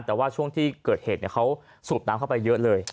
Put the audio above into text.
แต่ว่าช่วงที่เกิดเหตุเขาสูบน้ำเข้าไปเยอะเลย